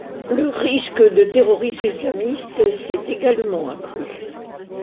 Le risque de terrorisme islamiste s'est également accru.